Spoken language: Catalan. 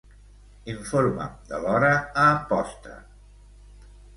Informa'm de l'hora a Amposta.